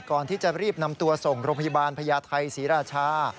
ก่อนที่จะรีบนำตัวส่งโรงพยาบาลพญาไทยศรีราชา